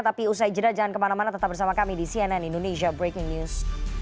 tapi usai jeda jangan kemana mana tetap bersama kami di cnn indonesia breaking news